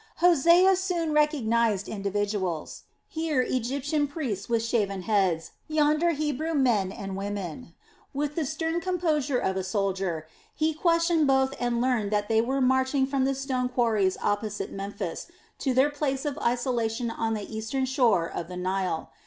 Hosea soon recognized individuals, here Egyptian priests with shaven heads, yonder Hebrew men and women. With the stern composure of a soldier, he questioned both and learned that they were marching from the stone quarries opposite Memphis to their place of isolation on the eastern shore of the Nile.